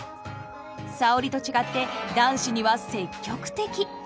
沙織と違って男子には積極的。